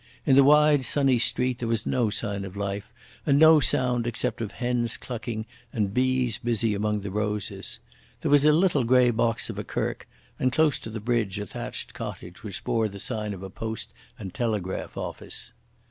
In the wide, sunny street there was no sign of life, and no sound except of hens clucking and of bees busy among the roses. There was a little grey box of a kirk, and close to the bridge a thatched cottage which bore the sign of a post and telegraph office.